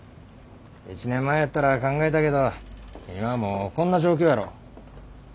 １年前やったら考えたけど今もうこんな状況やろ。